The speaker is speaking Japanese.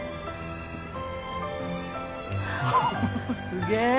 すげえ！